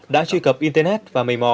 đã truy cập internet và mây mò